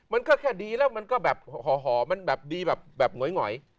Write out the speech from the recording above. มันก็แค่ดีแล้วมันก็แบบห่อมันแบบดีแบบหงอย